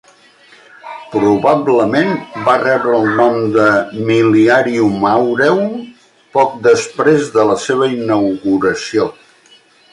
Probablement va rebre el nom de "Milliarium Aureum" poc després de la seva inauguració.